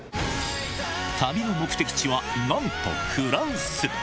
旅の目的地は、なんとフランス。